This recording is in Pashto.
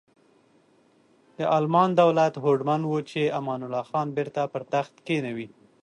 د المان دولت هوډمن و چې امان الله خان بیرته پر تخت کینوي.